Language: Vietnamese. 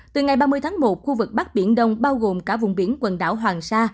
từ ngày ba mươi tháng một khu vực bắc biển đông bao gồm cả vùng biển quần đảo hoàng sa